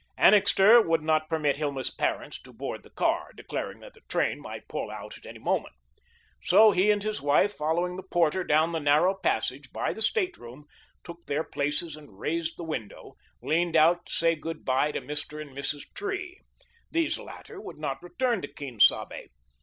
Annixter would not permit Hilma's parents to board the car, declaring that the train might pull out any moment. So he and his wife, following the porter down the narrow passage by the stateroom, took their places and, raising the window, leaned out to say good bye to Mr. and Mrs. Tree. These latter would not return to Quien Sabe.